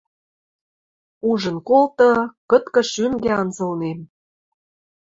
Ужын колты: кыткы шӱнгӓ анзылнем